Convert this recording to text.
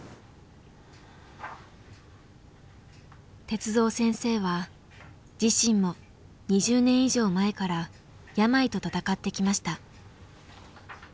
鉄三先生は自身も２０年以上前から病と闘ってきました。